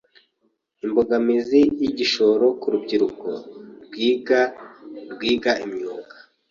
Imbogamizi y’igishoro ku rubyiruko rwiga rwiga imyuga